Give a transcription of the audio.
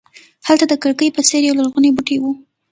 هلته د کړکۍ په څېر یولرغونی بوټی و.